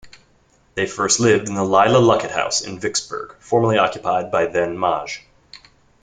They first lived in the Leila Luckett House in Vicksburg formerly occupied by then-Maj.